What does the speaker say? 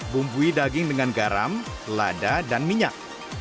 bumbui daging dengan garam lada dan minyak